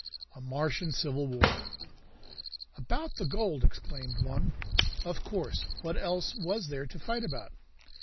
A Martian Civil War! "About the gold!" exclaimed one. "Of course. What else was there to fight about?"